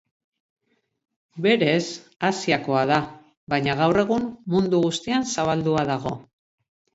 Berez Asiakoa da, baina gaur egun mundu guztian zabaldua dago.